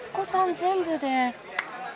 全部で？